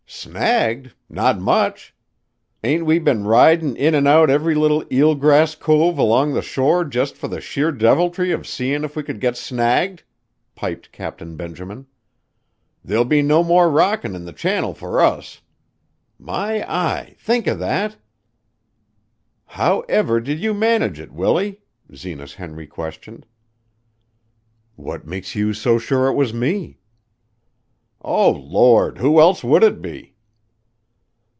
"Snagged? Not much! Ain't we been ridin' in an' out every little eel grass cove along the shore just for the sheer deviltry of seein' if we could get snagged?" piped Captain Benjamin. "There'll be no more rockin' in the channel for us. My eye! Think of that!" "How ever did you manage it, Willie?" Zenas Henry questioned. "What makes you so sure it was me?" "Oh, Lord! Who else would it be?"